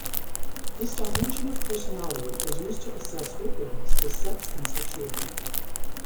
This dimension of personality is used to assess openness to sex and sexuality.